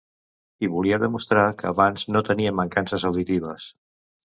I volia demostrar que abans no tenia mancances auditives.